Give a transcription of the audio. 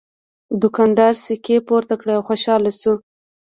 دوکاندار سکې پورته کړې او خوشحاله شو.